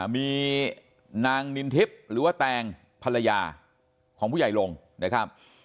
มีนางนินทิพย์หรือว่าแตงภรรยาของผู้ใหญ่ลงนะครับ